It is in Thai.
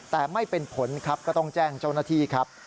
แต่ไม่เป็นผลครับก็ต้องแจ้งเจ้าหน้าที่ครับ